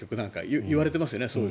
いわれていますよね。